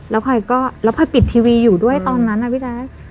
แล้วพลอยก็แล้วพลอยปิดทีวีอยู่ด้วยตอนนั้นนะพี่แจ๊ค